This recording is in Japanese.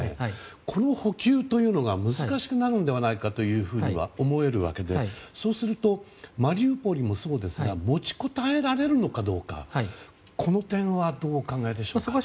この補給というのが難しくなるのではないかと思えるわけで、そうするとマリウポリもそうですが持ちこたえられるのかどうかこの点はどうお考えでしょうか。